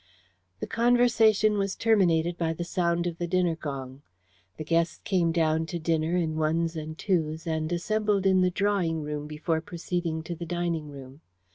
The conversation was terminated by the sound of the dinner gong. The guests came down to dinner in ones and twos, and assembled in the drawing room before proceeding to the dining room.